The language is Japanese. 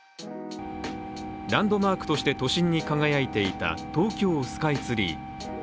ランドマークとして都心に輝いていた東京スカイツリー。